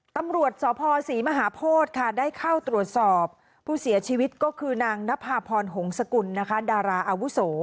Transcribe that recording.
ตำรวจสพศสิมหาพตข้าได้เข้าตรวจสอบผู้เสียชีวิตก็คือนางนภาพรอศ